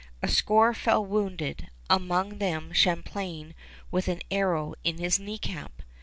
A score fell wounded, among them Champlain with an arrow in his knee cap.